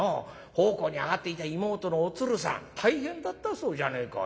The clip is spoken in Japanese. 奉公に上がっていた妹のお鶴さん大変だったそうじゃねえか。